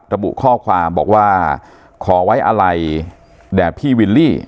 ระบุข้อความบอกว่าขอไว้อะไรแด่พี่วิลลี่